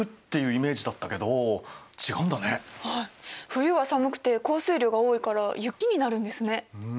冬は寒くて降水量が多いから雪になるんですね。